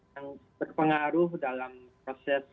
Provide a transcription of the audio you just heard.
yang berpengaruh dalam proses